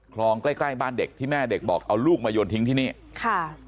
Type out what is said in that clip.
คลองใกล้ใกล้บ้านเด็กที่แม่เด็กบอกเอาลูกมาโยนทิ้งที่นี่ค่ะ